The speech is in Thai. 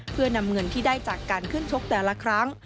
เพื่อนำเงินที่ได้จากการขึ้นชกแต่ละครั้ง